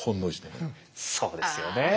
そうですよね。